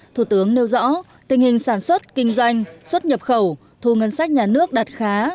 thủ tướng nêu rõ tình hình sản xuất kinh doanh xuất nhập khẩu thu ngân sách nhà nước đạt khá